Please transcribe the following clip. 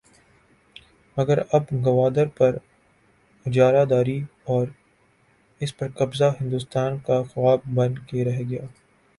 مگر اب گوادر پر اجارہ داری اور اس پر قبضہ ہندوستان کا خواب بن کے رہ گیا۔